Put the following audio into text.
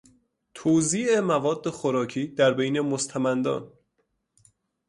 توزیع مواد خوراکی در بین مستمندان